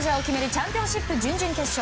チャンピオンシップ準々決勝。